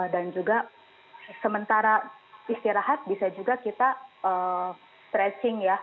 dan juga sementara istirahat bisa juga kita stretching ya